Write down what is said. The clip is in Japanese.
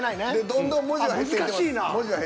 どんどん文字は減っていってます。